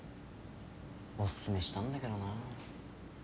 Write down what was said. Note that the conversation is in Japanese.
お勧めしたんだけどな。